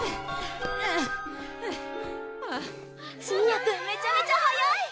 晋也君めちゃめちゃ速い！